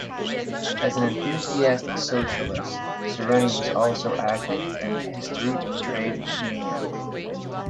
As an enthusiastic socialist, Sereni was also active in the Histadrut trade union.